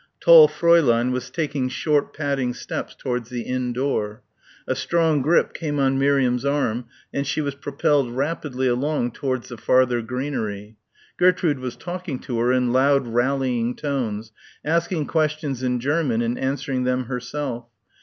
Tall Fräulein was taking short padding steps towards the inn door. A strong grip came on Miriam's arm and she was propelled rapidly along towards the farther greenery. Gertrude was talking to her in loud rallying tones, asking questions in German and answering them herself.